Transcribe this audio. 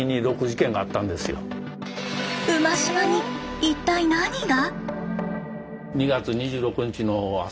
馬島に一体何が？